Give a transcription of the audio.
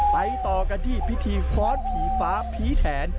ต่อกันที่พิธีฟ้อนผีฟ้าผีแถน